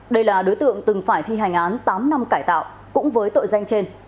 đây là đối tượng từng phải thi hành án tám năm cải tạo cũng với tội danh trên